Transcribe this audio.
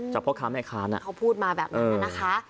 จากพ่อค้าแม่ค้าน่ะเออเขาพูดมาแบบนั้นนะคะ